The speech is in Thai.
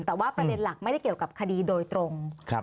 แต่ว่าประเด็นหลักไม่ได้เกี่ยวกับคดีโดยตรง